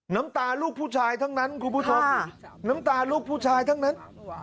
น้ำตาลูกผู้ชายทั้งนั้นคุณผู้ชมน้ำตาลูกผู้ชายทั้งนั้น